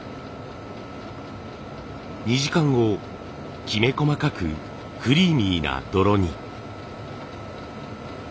２時間後きめ細かくクリーミーな泥に。